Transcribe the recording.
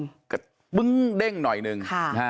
มันมีกระตุ๊งเด้งหน่อยนึง